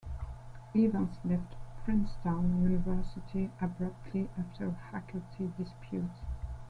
Evans left Princeton University abruptly after a faculty dispute.